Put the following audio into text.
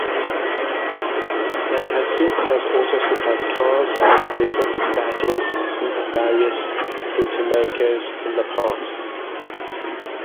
Daihatsu has also supplied cars under different badges to various automakers in the past.